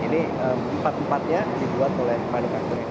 ini empat empatnya dibuat oleh manekatur yang sama